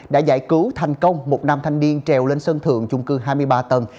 đã giải cứu thành công một nam thanh niên trèo lên sân thượng chung cư hai mươi ba tầng